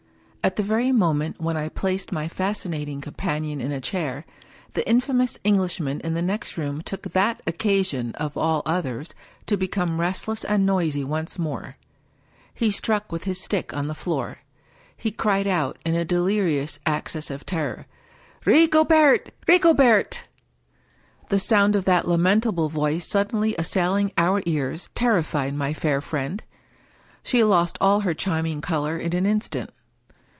At the very moment when I placed my fascinating com panion in a chair, the infamous Englishman in the next room took that occasion, of all others, to become restless and noisy once more. He struck with his stick on the floor ; he cried out, in a delirious access of terror, " Rigo bert! Rigobert!" The sound of that lamentable voice, suddenly assailing our ears, terrified my fair friend. She lost all her charm ing color in an instant.